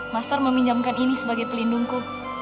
master meminjamkan ini sebagai pelindungku